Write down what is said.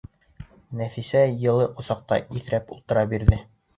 Нәфисә йылы ҡосаҡта иҙрәп ултыра бирҙе.